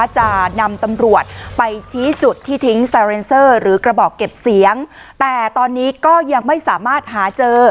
จะนำตำรวจไปชี้จุดที่ทิ้งซาเรนเซอร์หรือกระบอกเก็บเสียงแต่ตอนนี้ก็ยังไม่สามารถหาเจอ